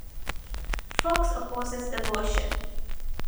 Foxx opposes abortion.